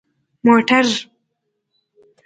🚘 موټر